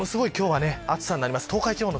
今日は暑さになります。